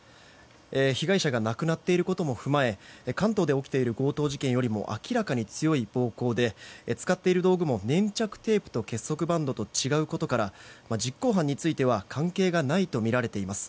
被害者が亡くなっていることも踏まえ関東で起きている強盗事件よりも明らかに強い暴行で、使っている道具も粘着テープと結束バンドと違うことから実行犯については関係がないとみられています。